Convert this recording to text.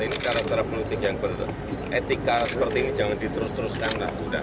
ini cara cara politik yang beretika seperti ini jangan diterus teruskan